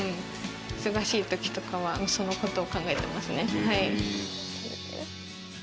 忙しいときとかはそのことを考えてますね。